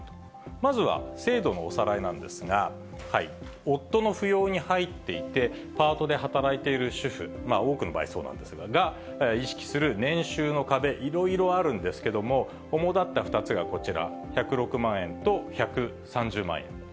まずは制度のおさらいなんですが、夫の扶養に入っていて、パートで働いている主婦、多くの場合そうなんですが、意識する年収の壁、いろいろあるんですけれども、おもだった２つがこちら、１０６万円と１３０万円。